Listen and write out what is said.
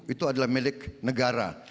itu adalah milik negara